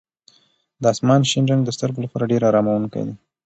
د اسمان شین رنګ د سترګو لپاره ډېر اراموونکی دی.